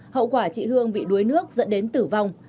hậu quả chị hương bị đuối nước dẫn đến tử vong